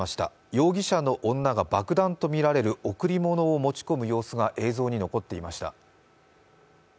容疑者の女が爆弾とみられる贈り物を持ち込む様子が映像に残っていました。